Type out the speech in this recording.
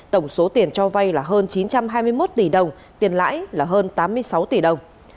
tổng số tiền cho vay là hơn chín trăm hai mươi một tỷ đồng tiền lãi là hơn tám mươi sáu tỷ đồng